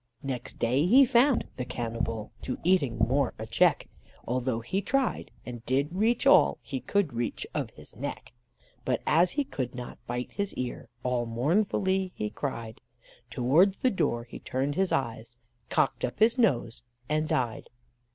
Next day he found (the cannibal!) to eating more a check, Although he tried, and did reach all he could reach of his neck. But as he could not bite his ear, all mournfully he cried, Towards the door he turned his eyes, cocked up his nose, and died.